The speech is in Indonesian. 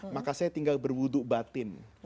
maka saya tinggal berwudu batin